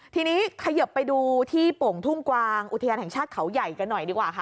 ทีนี้เขยิบไปดูที่โป่งทุ่งกวางอุทยานแห่งชาติเขาใหญ่กันหน่อยดีกว่าค่ะ